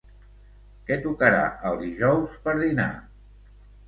Què tocarà el dijous per dinar?